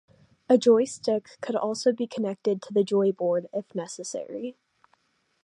A joystick could also be connected to the Joyboard if necessary.